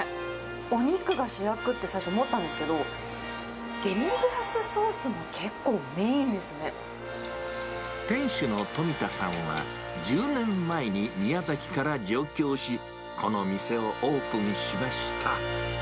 お肉が主役って最初思ったんですけど、デミグラスソースも結構、店主の冨田さんは１０年前に宮崎から上京し、この店をオープンしました。